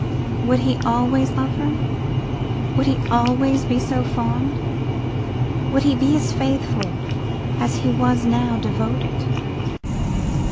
Would he always love her? Would he always be so fond? Would he be as faithful as he was now devoted?